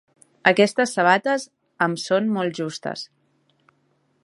Aquestes sabates em són molt justes.